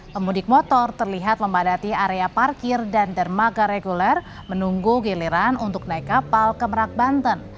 pemudik motor terlihat memadati area parkir dan dermaga reguler menunggu giliran untuk naik kapal ke merak banten